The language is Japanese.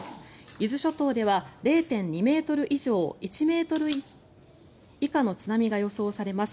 伊豆諸島では０．２ｍ以上１ｍ以下の津波が予想されます。